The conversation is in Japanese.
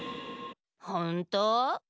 ほんと？